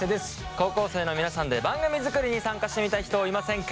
高校生の皆さんで番組作りに参加してみたい人いませんか？